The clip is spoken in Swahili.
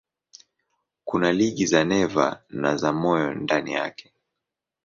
Kuna liga za neva na za moyo ndani yake.